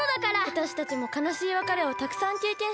わたしたちもかなしいわかれをたくさんけいけんしたよ。